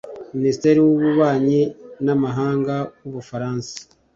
Ministre w’ububanyi n’amahanga w’ubufaransa